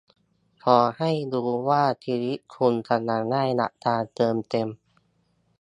ขอให้รู้ว่าชีวิตคุณกำลังได้รับการเติมเต็ม